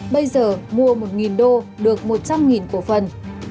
bây giờ mua một đô được một trăm linh cổ phần